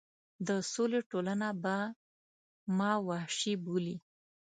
د سولې ټولنه به ما وحشي وبولي.